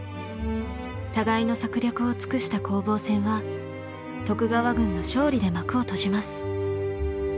互いの策略を尽くした攻防戦は徳川軍の勝利で幕を閉じます。